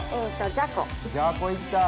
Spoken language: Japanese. じゃこ行った！